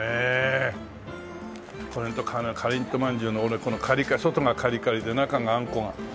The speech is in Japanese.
かりんとまんじゅうの俺このカリカリ外がカリカリで中があんこが。